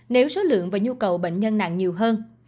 nếu số lượng và nhu cầu bệnh nhân nặng nhiều hơn